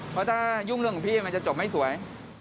เพราะถ้ายุ่งเรื่องของพี่มันจะจบไม่สวย